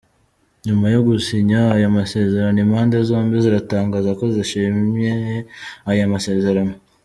Nyuma yo gusinya aya masezerano impande zombi ziratangaza ko zishimiye aya masezerano.